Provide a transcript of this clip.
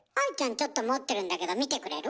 ちょっと持ってるんだけど見てくれる？